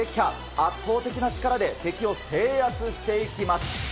圧倒的な力で敵を制圧していきます。